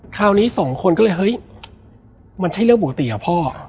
คราวนี้สองคนก็เลยเฮ้ยมันใช่เรื่องปกติอะพ่อ